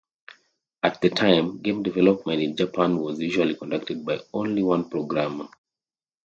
At the time, game development in Japan was usually conducted by only one programmer.